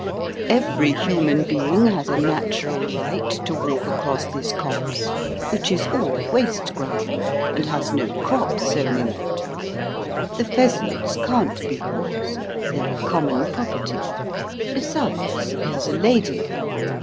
"Every human being has a natural right to walk across this copse, which is all waste ground, and has no crop sown in it. The pheasants can't be yours; they're common property. Besides, there's a lady.